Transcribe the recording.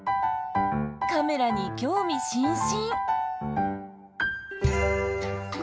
カメラに興味津々。